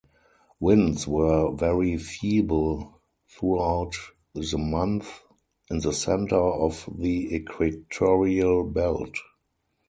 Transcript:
Winds were very feeble throughout the month in the center of the equatorial belt.